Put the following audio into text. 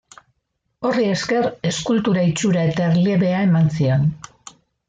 Horri esker eskultura itxura eta erliebea eman zion.